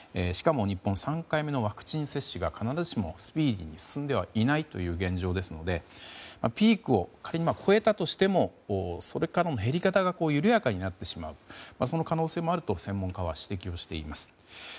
しかも日本は３回目のワクチン接種が必ずしもスピーディーに進んではいないという現状ですのでピークを仮に越えたとしてもそれからの減り方が緩やかになってしまうその可能性もあると専門家は指摘しています。